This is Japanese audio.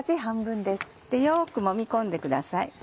よくもみ込んでください。